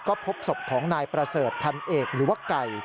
ก็พบศพของนายประเสริฐพันเอกหรือว่าไก่